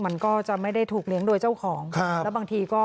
นะครับ